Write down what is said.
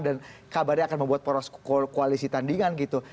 dan kabarnya akan membuat pola koalisi tandingan gitu